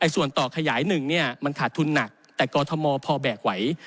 ส่วนต่อขยาย๑มันขาดทุนหนักแต่กอทมพอแบกไหว